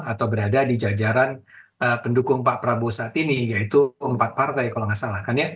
atau berada di jajaran pendukung pak prabowo saat ini yaitu empat partai kalau nggak salah kan ya